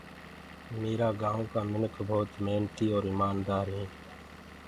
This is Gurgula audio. ميرآ گائونٚ ڪآ مِنک ڀوت مهنتي اور ايماندآر هينٚ